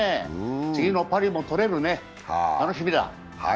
次のパリもとれるね、楽しみだ。